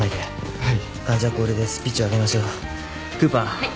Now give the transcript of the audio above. はい。